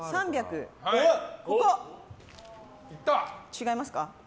違いますか？